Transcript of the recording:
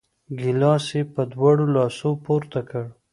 ګیلاس یې په دواړو لاسو پورته کړ!